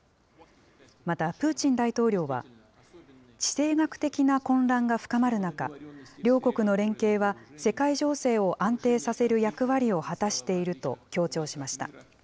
また、プーチン大統領は、地政学的な混乱が深まる中、両国の連携は世界情勢を安定させる役割を果たしていると強調しました。